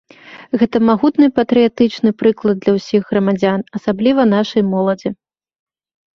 Гэта магутны патрыятычны прыклад для ўсіх грамадзян, асабліва нашай моладзі.